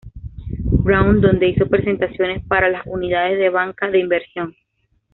Brown donde hizo presentaciones para las unidades de banca de inversión.